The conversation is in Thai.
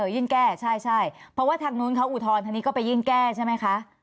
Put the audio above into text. ยิ่งแก้ใช่เพราะว่าทางนู้นเขาอุทธรณ์ทางนี้ก็ไปยิ่งแก้ใช่ไหมคะ